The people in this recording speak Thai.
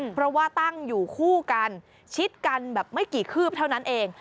เพราะว่าตั้งอยู่คู่กันชิดกันแบบไม่กี่คืบเท่านั้นเอง